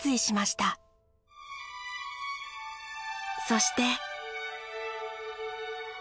そして。